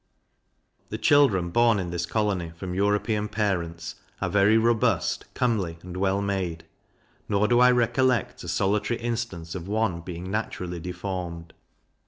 The children born in this colony from European parents, are very robust, comely, and well made; nor do I recollect a solitary instance of one being naturally deformed.